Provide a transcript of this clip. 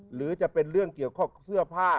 หรือจะเป็นเรื่องเกี่ยวกับเสื้อผ้า